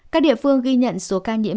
các địa phương ghi nhận số ca nhiễm